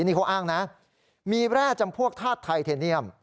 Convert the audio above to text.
นี่เขาอ้างนะมีแร่จำพวกธาตุไทเทเนียม